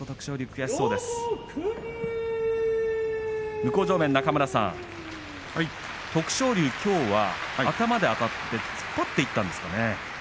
向正面の中村さん徳勝龍、きょうは頭であたって突っ張っていきましたね。